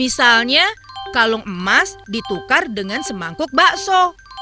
misalnya kalung emas ditukar dengan semangkuk bakso